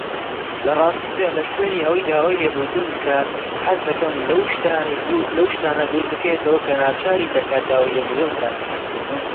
بەرازیل وڵاتێکی خۆشە، بەس خەڵکی هەژاری زۆرە